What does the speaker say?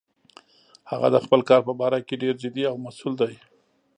هغه د خپل کار په باره کې ډیر جدي او مسؤل ده